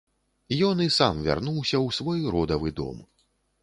Ён і сам вярнуўся ў свой родавы дом.